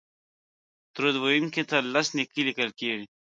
درود ویونکي ته لس نېکۍ لیکل کیږي